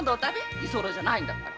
居候じゃないんだから。